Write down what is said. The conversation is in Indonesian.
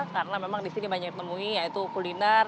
karena memang di sini banyak yang menemui yaitu kuliner